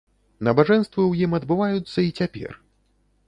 Набажэнствы ў ім адбываюцца і цяпер.